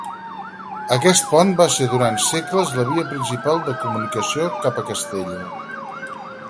Aquest pont va ser durant segles la via principal de comunicació cap a Castella.